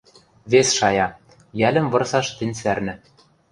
Вес шая: йӓлӹм вырсаш тӹнь цӓрнӹ...